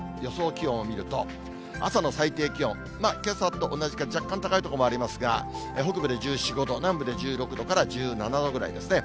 気温を見ると、朝の最低気温、けさと同じか、若干高い所もありますが、北部で１４、５度、南部で１６度から１７度ぐらいですね。